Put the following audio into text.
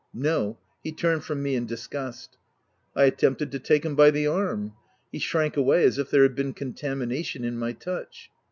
No ; he turned from me in disgust. I at tempted to take him by the arm. He shrank away as if there had been contamination in my touch.